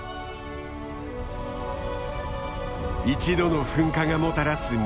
一度の噴火がもたらす